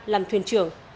làm thuyền trưởng